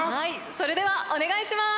それではお願いします。